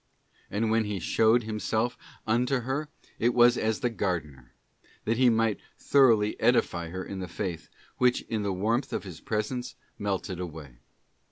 And when He showed Him self unto her, it was as the gardener,§ that He might thoroughly " edify her in the faith, which in the warmth of His presence melted away.